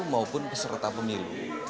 maupun peserta pemilu